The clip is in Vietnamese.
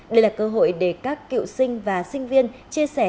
đây là cơ hội để các cựu sinh và sinh viên chia sẻ